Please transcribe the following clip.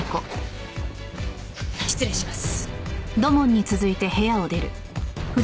失礼します。